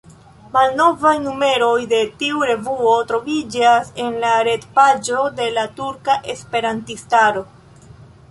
Malnovaj numeroj de tiu revuo troviĝas en la ret-paĝo de la turka esperantistaro.